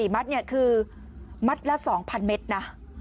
๒๔มัตต์นี่คือมัตต์ละ๒๐๐๐เมตรนะ